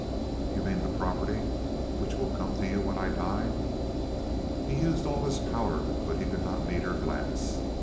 "You mean the property which will come to you when I die?" He used all his power, but he could not meet her glance.